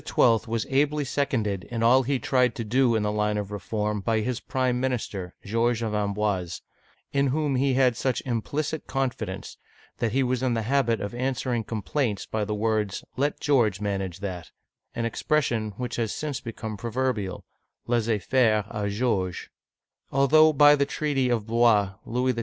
was ably seconded in all he tried to do in the line of reform by his prime minister (George of Amboise), in whom he had such implicit confidence, that he was in the habit of answering complaints by the words, "Let George manage that, — an expression which has since become proverbial {Laissez faire d Georges), Although by the treaty of Blois Louis XII.